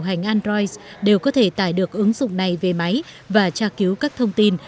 hành android đều có thể tải được ứng dụng này về máy và tra cứu các thông tin